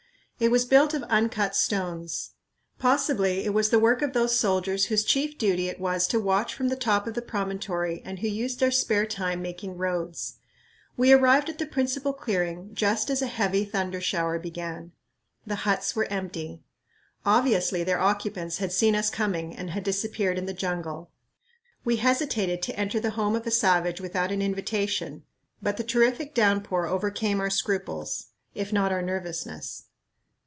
It was built of uncut stones. Possibly it was the work of those soldiers whose chief duty it was to watch from the top of the promontory and who used their spare time making roads. We arrived at the principal clearing just as a heavy thunder shower began. The huts were empty. Obviously their occupants had seen us coming and had disappeared in the jungle. We hesitated to enter the home of a savage without an invitation, but the terrific downpour overcame our scruples, if not our nervousness.